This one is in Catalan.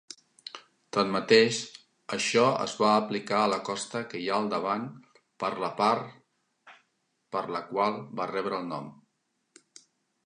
Tanmateix, això es va aplicar a la costa que hi ha al davant, per la part per la qual va rebre el nom.